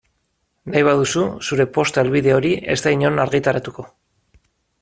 Nahi baduzu zure posta helbide hori ez da inon argitaratuko.